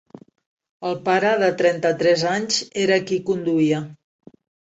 El pare, de trenta-tres anys, era qui conduïa.